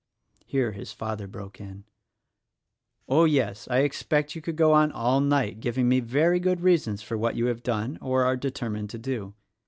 Here his father broke in — "Oh, yes! I expect you could go on all night giving me very good reasons for what you have done or are determined to do.